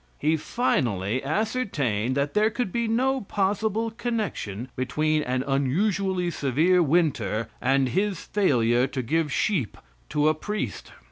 He finally ascertained that there could be no possible connection between an unusually severe winter and his failure to give sheep to a priest.